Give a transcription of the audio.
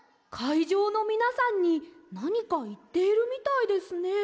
いじょうのみなさんになにかいっているみたいですね。